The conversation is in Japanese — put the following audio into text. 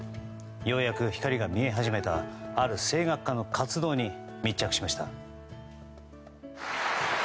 ようやく光が見え始めたある声楽家の活動に密着しました。